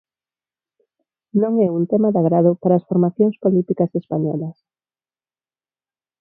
Non é un tema de agrado para as formacións políticas españolas.